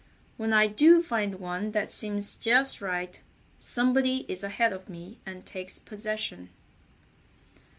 When I do find one that seems just right somebody is ahead of me and takes possession."